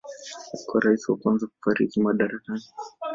Alikuwa rais wa kwanza kufariki madarakani.